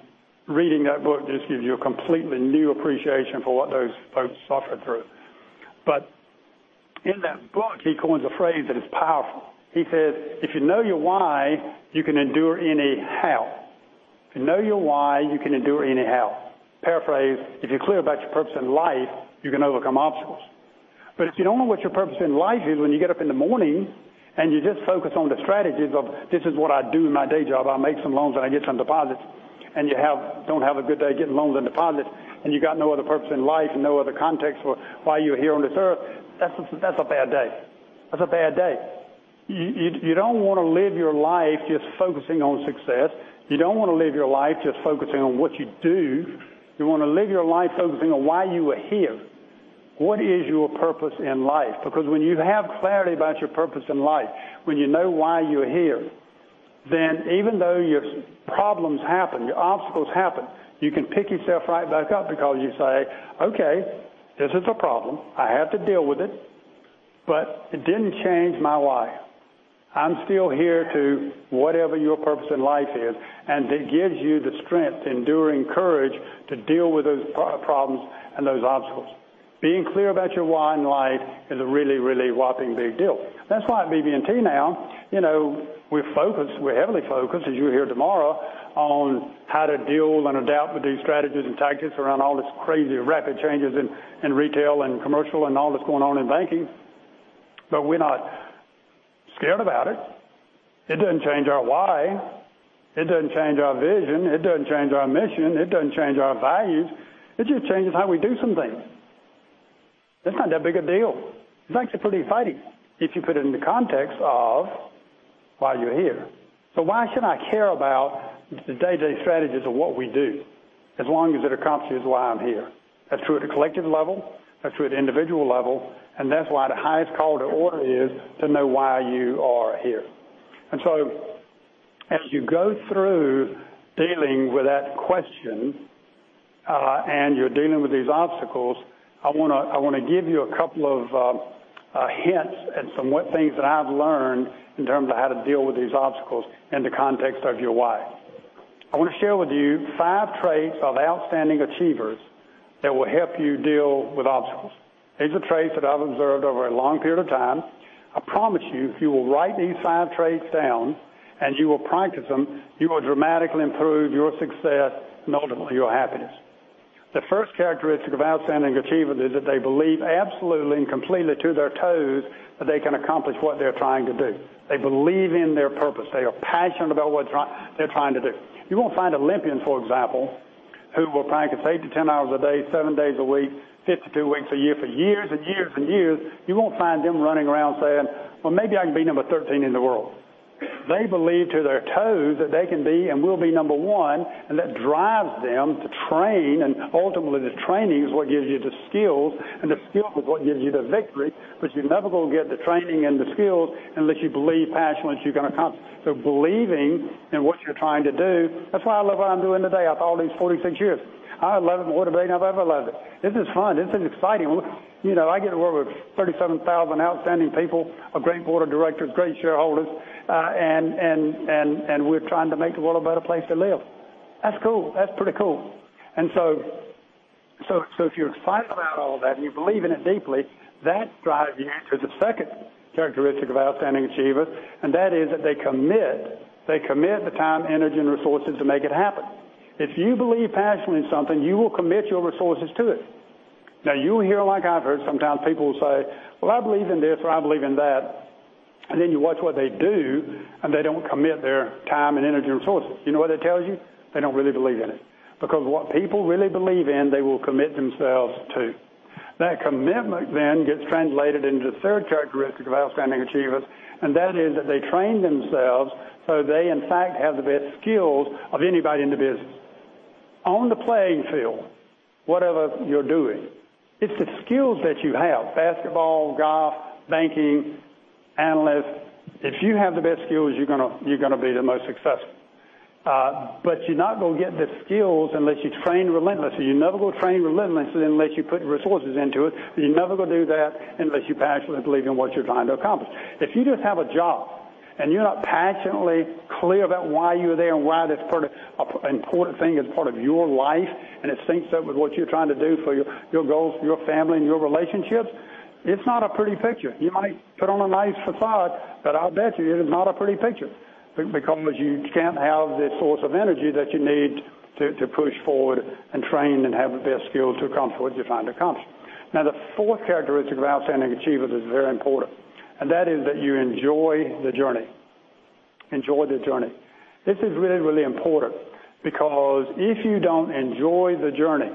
reading that book just gives you a completely new appreciation for what those folks suffered through. In that book, he coins a phrase that is powerful. He says, "If you know your why, you can endure any how." If you know your why, you can endure any how. Paraphrase, if you're clear about your purpose in life, you can overcome obstacles. If you don't know what your purpose in life is, when you get up in the morning and you just focus on the strategies of this is what I do in my day job, I make some loans and I get some deposits, and you don't have a good day getting loans and deposits, and you got no other purpose in life and no other context for why you're here on this earth, that's a bad day. You don't want to live your life just focusing on success. You don't want to live your life just focusing on what you do. You want to live your life focusing on why you are here. What is your purpose in life? When you have clarity about your purpose in life, when you know why you're here, then even though your problems happen, your obstacles happen, you can pick yourself right back up because you say, "Okay, this is a problem. I have to deal with it, but it didn't change my why. I'm still here to" whatever your purpose in life is, and it gives you the strength, enduring courage to deal with those problems and those obstacles. Being clear about your why in life is a really, really whopping big deal. That's why at BB&T now, we're heavily focused, as you'll hear tomorrow, on how to deal and adapt with these strategies and tactics around all this crazy rapid changes in retail and commercial and all that's going on in banking. We're not scared about it. It doesn't change our why. It doesn't change our vision. It doesn't change our mission. It doesn't change our values. It just changes how we do some things. It's not that big a deal. It's actually pretty exciting if you put it in the context of why you're here. Why should I care about the day-to-day strategies of what we do as long as it accomplishes why I'm here? That's true at a collective level, that's true at an individual level, and that's why the highest call to order is to know why you are here. As you go through dealing with that question, and you're dealing with these obstacles, I want to give you a couple of hints and some things that I've learned in terms of how to deal with these obstacles in the context of your life. I want to share with you five traits of outstanding achievers that will help you deal with obstacles. These are traits that I've observed over a long period of time. I promise you, if you will write these five traits down, and you will practice them, you will dramatically improve your success and ultimately, your happiness. The first characteristic of outstanding achievers is that they believe absolutely and completely to their toes that they can accomplish what they're trying to do. They believe in their purpose. They are passionate about what they're trying to do. You won't find Olympians, for example, who will practice eight to 10 hours a day, seven days a week, 52 weeks a year for years and years and years. You won't find them running around saying, "Well, maybe I can be number 13 in the world." They believe to their toes that they can be and will be number one, and that drives them to train, and ultimately the training is what gives you the skills, and the skills is what gives you the victory. You're never going to get the training and the skills unless you believe passionately you're going to accomplish. Believing in what you're trying to do, that's why I love what I'm doing today after all these 46 years. I love it more today than I've ever loved it. This is fun. This is exciting. I get to work with 37,000 outstanding people, a great board of directors, great shareholders, and we're trying to make the world a better place to live. That's cool. That's pretty cool. If you're excited about all that and you believe in it deeply, that drives you into the second characteristic of outstanding achievers, and that is that they commit. They commit the time, energy, and resources to make it happen. If you believe passionately in something, you will commit your resources to it. You hear, like I've heard, sometimes people will say, "Well, I believe in this," or, "I believe in that." Then you watch what they do, and they don't commit their time and energy and resources. You know what that tells you? They don't really believe in it. Because what people really believe in, they will commit themselves to. That commitment gets translated into the third characteristic of outstanding achievers, and that is that they train themselves so they in fact have the best skills of anybody in the business. On the playing field, whatever you're doing, it's the skills that you have, basketball, golf, banking, analyst. If you have the best skills, you're going to be the most successful. You're not going to get the skills unless you train relentlessly. You're never going to train relentlessly unless you put resources into it. You're never going to do that unless you passionately believe in what you're trying to accomplish. If you just have a job and you're not passionately clear about why you're there and why that's an important thing as part of your life, and it syncs up with what you're trying to do for your goals, your family, and your relationships, it's not a pretty picture. You might put on a nice facade, but I'll bet you it is not a pretty picture because you can't have the source of energy that you need to push forward and train and have the best skills to accomplish what you're trying to accomplish. The fourth characteristic of outstanding achievers is very important, and that is that you enjoy the journey. Enjoy the journey. This is really, really important because if you don't enjoy the journey,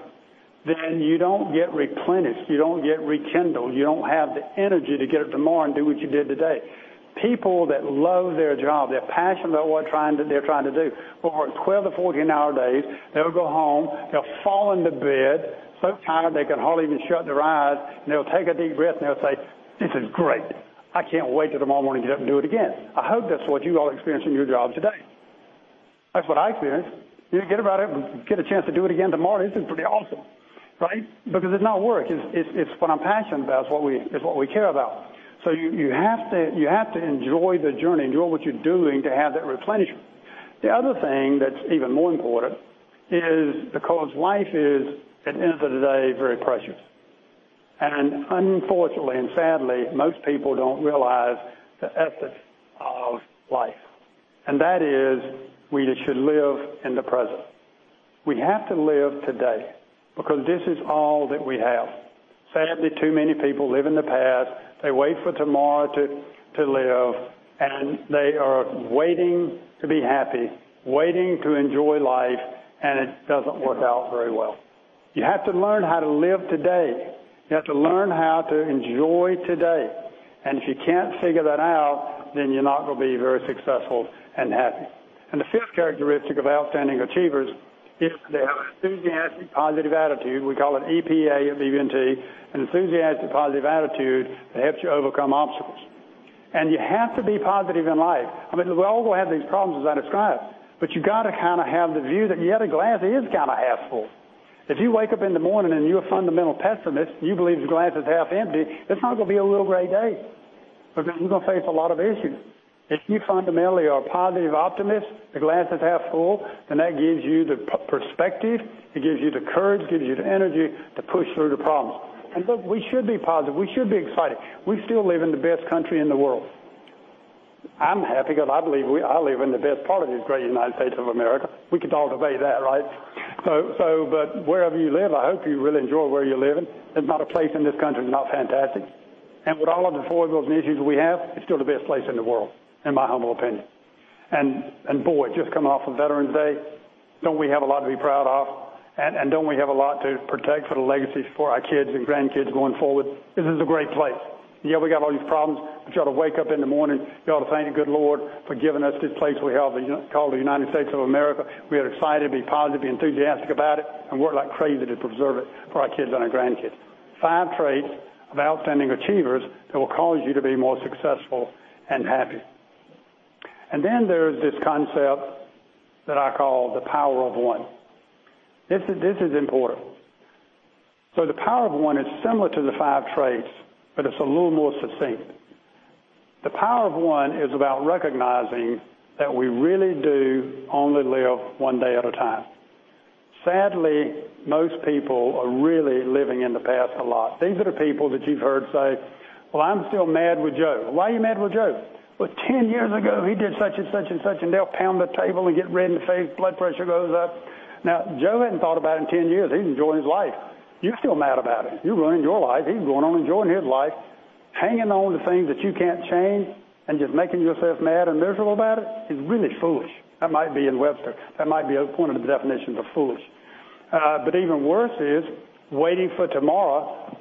then you don't get replenished, you don't get rekindled. You don't have the energy to get up tomorrow and do what you did today. People that love their job, they're passionate about what they're trying to do will work 12 to 14 hour days. They'll go home. They'll fall into bed so tired they can hardly even shut their eyes, and they'll take a deep breath and they'll say, "This is great. I can't wait till tomorrow morning to get up and do it again." I hope that's what you all experience in your jobs today. That's what I experience. You get a chance to do it again tomorrow, this is pretty awesome, right? Because it's not work. It's what I'm passionate about. It's what we care about. You have to enjoy the journey, enjoy what you're doing to have that replenishment. The other thing that's even more important is because life is, at the end of the day, very precious. Unfortunately and sadly, most people don't realize the essence of life, and that is we should live in the present. We have to live today because this is all that we have. Sadly, too many people live in the past. They wait for tomorrow to live, they are waiting to be happy, waiting to enjoy life, it does not work out very well. You have to learn how to live today. You have to learn how to enjoy today. If you can not figure that out, then you are not going to be very successful and happy. The 5th characteristic of outstanding achievers is they have an enthusiastic positive attitude. We call it EPA at BB&T. An enthusiastic positive attitude that helps you overcome obstacles. You have to be positive in life. I mean, we are all going to have these problems as I described, but you got to kind of have the view that yeah, the glass is kind of half full. If you wake up in the morning and you are a fundamental pessimist, you believe the glass is half empty, it is not going to be a real great day because you are going to face a lot of issues. If you fundamentally are a positive optimist, the glass is half full, that gives you the perspective. It gives you the courage, gives you the energy to push through the problems. Look, we should be positive. We should be excited. We still live in the best country in the world. I am happy because I believe I live in the best part of the great United States of America. We could all debate that, right? Wherever you live, I hope you really enjoy where you are living. There is not a place in this country that is not fantastic. With all of the foibles and issues we have, it is still the best place in the world, in my humble opinion. Boy, just coming off of Veterans Day, do not we have a lot to be proud of? Do not we have a lot to protect for the legacies for our kids and grandkids going forward? This is a great place. Yeah, we got all these problems, but you ought to wake up in the morning, you ought to thank the good Lord for giving us this place we have called the United States of America. We are excited to be positive, be enthusiastic about it, and work like crazy to preserve it for our kids and our grandkids. Five traits of outstanding achievers that will cause you to be more successful and happy. There is this concept that I call the power of one. This is important. The power of one is similar to the five traits, but it is a little more succinct. The power of one is about recognizing that we really do only live one day at a time. Sadly, most people are really living in the past a lot. These are the people that you have heard say, "Well, I am still mad with Joe." "Why are you mad with Joe?" "Well, 10 years ago, he did such and such and such," they will pound the table and get red in the face, blood pressure goes up. Now, Joe had not thought about it in 10 years. He is enjoying his life. You are still mad about it. You are ruining your life. He is going on enjoying his life. Hanging on to things that you can not change and just making yourself mad and miserable about it is really foolish. That might be in Webster. That might be one of the definitions of foolish. Even worse is waiting for tomorrow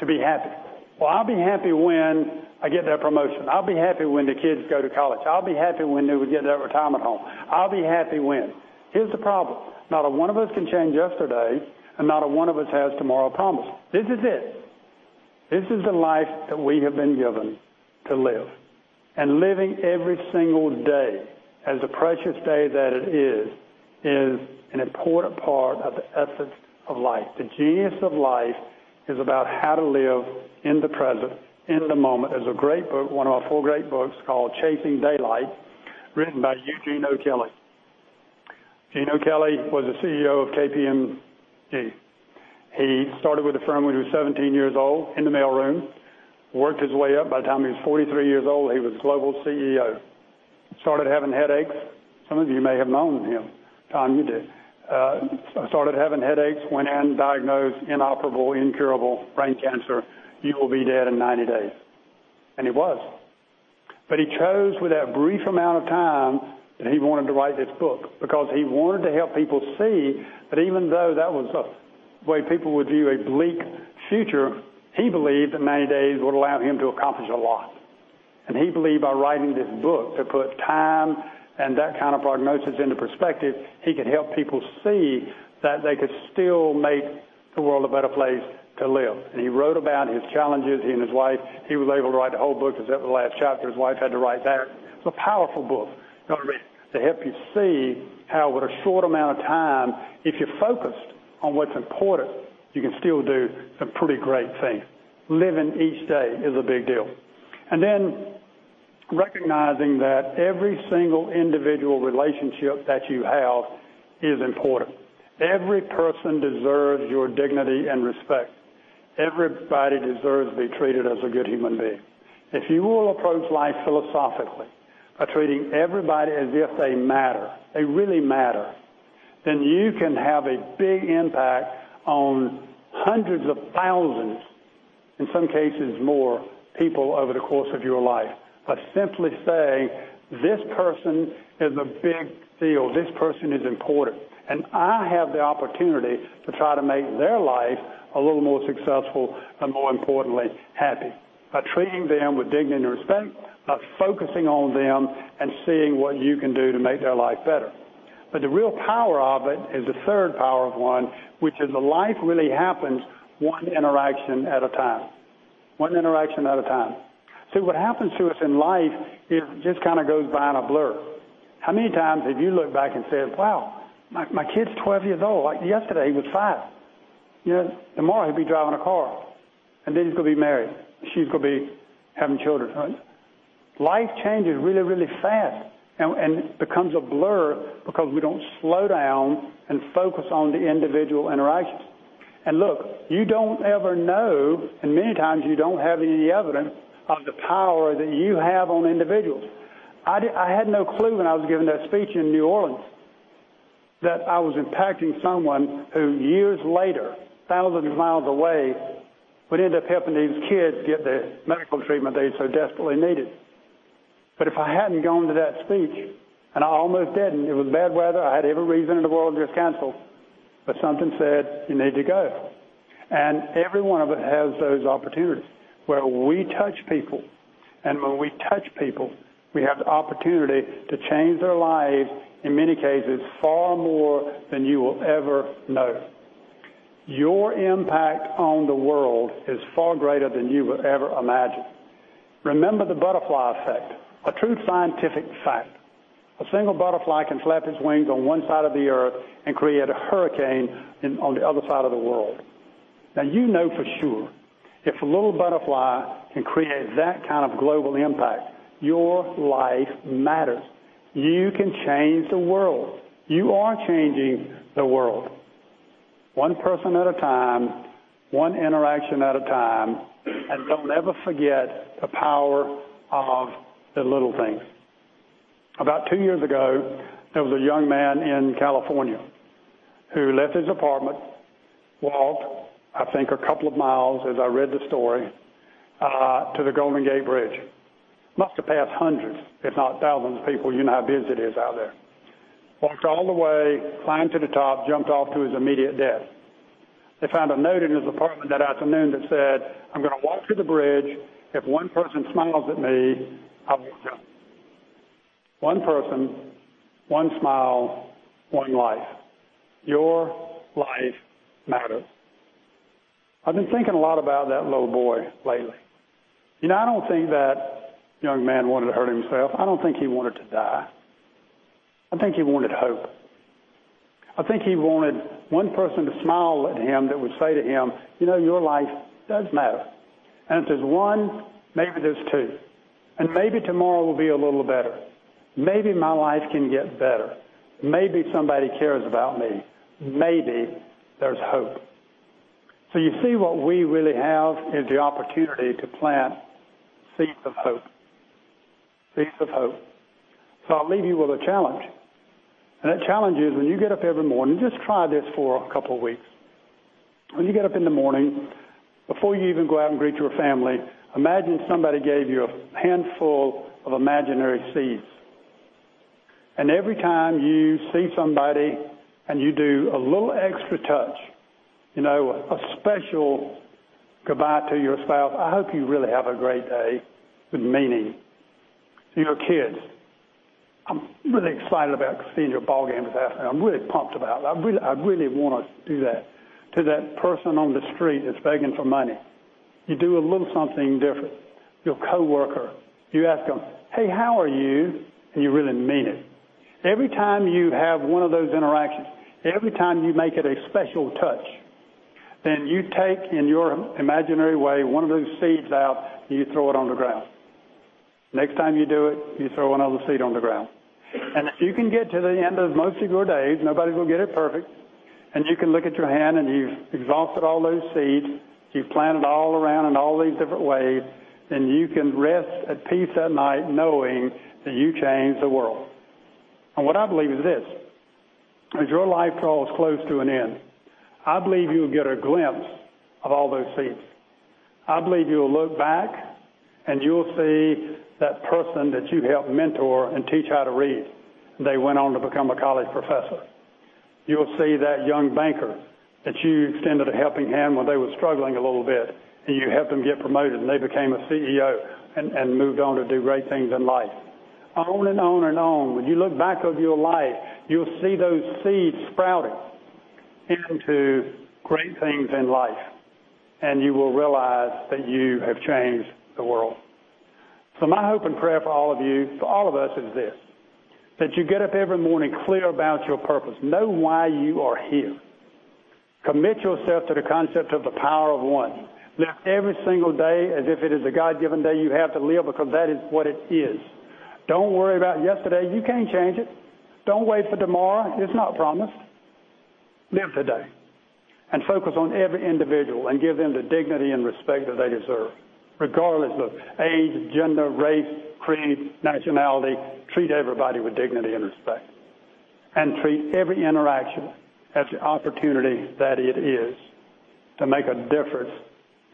to be happy. I'll be happy when I get that promotion. I'll be happy when the kids go to college. I'll be happy when we get that retirement home. I'll be happy when. Here's the problem. Not a one of us can change yesterday, and not a one of us has tomorrow promised. This is it. This is the life that we have been given to live, and living every single day as the precious day that it is an important part of the essence of life. The genius of life is about how to live in the present, in the moment. There's a great book, one of our four great books, called "Chasing Daylight," written by Eugene O'Kelly. Eugene O'Kelly was the CEO of KPMG. He started with the firm when he was 17 years old in the mail room, worked his way up. By the time he was 43 years old, he was global CEO. Started having headaches. Some of you may have known him. Tom, you did. Started having headaches, went in, diagnosed inoperable, incurable brain cancer. You will be dead in 90 days. He was. He chose with that brief amount of time that he wanted to write this book because he wanted to help people see that even though that was the way people would view a bleak future, he believed that 90 days would allow him to accomplish a lot. He believed by writing this book, to put time and that kind of prognosis into perspective, he could help people see that they could still make the world a better place to live. He wrote about his challenges, he and his wife. He was able to write the whole book except the last chapter. His wife had to write that. It's a powerful book you ought to read to help you see how with a short amount of time, if you're focused on what's important, you can still do some pretty great things. Living each day is a big deal. Then recognizing that every single individual relationship that you have is important. Every person deserves your dignity and respect. Everybody deserves to be treated as a good human being. If you will approach life philosophically by treating everybody as if they matter, they really matter, then you can have a big impact on hundreds of thousands, in some cases more people over the course of your life. By simply saying, this person is a big deal. This person is important. I have the opportunity to try to make their life a little more successful and more importantly, happy, by treating them with dignity and respect, by focusing on them and seeing what you can do to make their life better. The real power of it is the third power of one, which is that life really happens one interaction at a time. See what happens to us in life, it just kind of goes by in a blur. How many times have you looked back and said, "Wow, my kid's 12 years old. Like yesterday, he was five. Tomorrow he'll be driving a car, then he's going to be married. She's going to be having children." Life changes really, really fast and becomes a blur because we don't slow down and focus on the individual interactions. Look, you don't ever know, and many times you don't have any evidence of the power that you have on individuals. I had no clue when I was giving that speech in New Orleans that I was impacting someone who years later, thousands of miles away, would end up helping these kids get the medical treatment they so desperately needed. If I hadn't gone to that speech, and I almost didn't, it was bad weather. I had every reason in the world just cancel, but something said, "You need to go." Every one of us has those opportunities where we touch people, and when we touch people, we have the opportunity to change their lives, in many cases, far more than you will ever know. Your impact on the world is far greater than you would ever imagine. Remember the butterfly effect, a true scientific fact. A single butterfly can flap its wings on one side of the Earth and create a hurricane on the other side of the world. Now you know for sure if a little butterfly can create that kind of global impact, your life matters. You can change the world. You are changing the world, one person at a time, one interaction at a time. Don't ever forget the power of the little things. About two years ago, there was a young man in California who left his apartment, walked, I think a couple of miles as I read the story, to the Golden Gate Bridge. Must have passed hundreds if not thousands of people. You know how busy it is out there. Walked all the way, climbed to the top, jumped off to his immediate death. They found a note in his apartment that afternoon that said, "I'm going to walk to the bridge. If one person smiles at me, I won't jump." One person, one smile, one life. Your life matters. I've been thinking a lot about that little boy lately. I don't think that young man wanted to hurt himself. I don't think he wanted to die. I think he wanted hope. I think he wanted one person to smile at him that would say to him, "Your life does matter. If there's one, maybe there's two, and maybe tomorrow will be a little better. Maybe my life can get better. Maybe somebody cares about me. Maybe there's hope." You see what we really have is the opportunity to plant seeds of hope. I'll leave you with a challenge, and that challenge is when you get up every morning, just try this for a couple of weeks. When you get up in the morning, before you even go out and greet your family, imagine somebody gave you a handful of imaginary seeds. Every time you see somebody and you do a little extra touch, a special goodbye to your spouse, "I hope you really have a great day," with meaning to your kids. "I'm really excited about seeing your ballgame this afternoon. I'm really pumped about it. I really want to do that." To that person on the street that's begging for money, you do a little something different. Your coworker, you ask them, "Hey, how are you?" You really mean it. Every time you have one of those interactions, every time you make it a special touch, then you take, in your imaginary way, one of those seeds out and you throw it on the ground. Next time you do it, you throw another seed on the ground. If you can get to the end of most of your days, nobody will get it perfect, and you can look at your hand and you've exhausted all those seeds, you've planted all around in all these different ways, then you can rest at peace at night knowing that you changed the world. What I believe is this. As your life draws close to an end, I believe you'll get a glimpse of all those seeds. I believe you'll look back and you'll see that person that you helped mentor and teach how to read. They went on to become a college professor. You'll see that young banker that you extended a helping hand when they were struggling a little bit, and you helped them get promoted, and they became a CEO and moved on to do great things in life. On and on and on, when you look back over your life, you'll see those seeds sprouting into great things in life, and you will realize that you have changed the world. My hope and prayer for all of you, for all of us is this. That you get up every morning clear about your purpose. Know why you are here. Commit yourself to the concept of the power of one. Live every single day as if it is a God-given day you have to live because that is what it is. Don't worry about yesterday. You can't change it. Don't wait for tomorrow. It's not promised. Live today, and focus on every individual and give them the dignity and respect that they deserve, regardless of age, gender, race, creed, nationality. Treat everybody with dignity and respect, and treat every interaction as the opportunity that it is to make a difference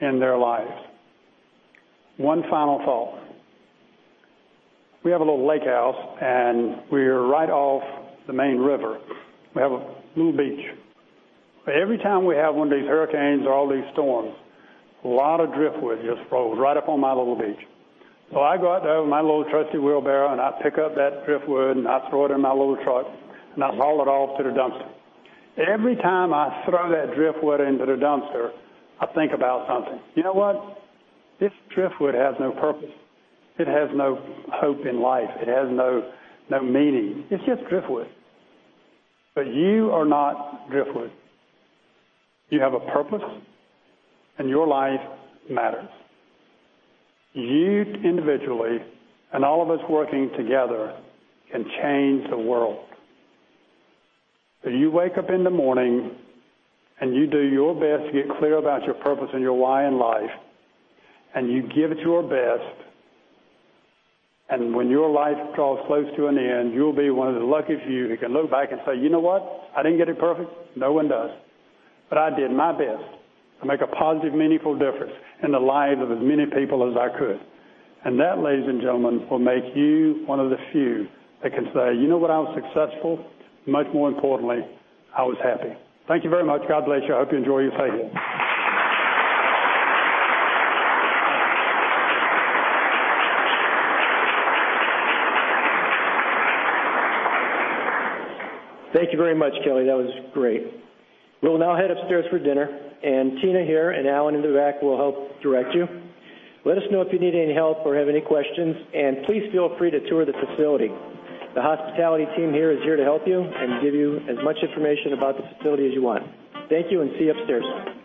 in their lives. One final thought. We have a little lake house, and we're right off the main river. We have a little beach. Every time we have one of these hurricanes or all these storms, a lot of driftwood just rolls right up on my little beach. I go out there with my little trusty wheelbarrow, and I pick up that driftwood, and I throw it in my little truck, and I haul it off to the dumpster. Every time I throw that driftwood into the dumpster, I think about something. You know what? This driftwood has no purpose. It has no hope in life. It has no meaning. It's just driftwood. You are not driftwood. You have a purpose, and your life matters. You individually and all of us working together can change the world. You wake up in the morning, and you do your best to get clear about your purpose and your why in life, and you give it your best. When your life draws close to an end, you'll be one of the lucky few who can look back and say, "You know what? I didn't get it perfect. No one does. I did my best to make a positive, meaningful difference in the lives of as many people as I could." That, ladies and gentlemen, will make you one of the few that can say, "You know what? I was successful. Much more importantly, I was happy. Thank you very much. God bless you. I hope you enjoy your stay here. Thank you very much, Kelly. That was great. We'll now head upstairs for dinner, and Tina here and Alan in the back will help direct you. Let us know if you need any help or have any questions, and please feel free to tour the facility. The hospitality team here is here to help you and give you as much information about the facility as you want. Thank you, and see you upstairs.